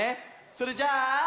それじゃあ。